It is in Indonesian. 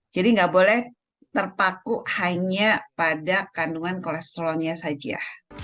jadi gak boleh terpaku hanya pada kandungan kolesterolnya saja